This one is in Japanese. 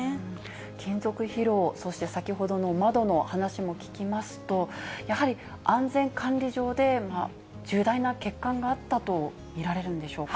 金属疲労、そして先ほどの窓の話も聞きますと、やはり安全管理上で重大な欠陥があったと見られるんでしょうか。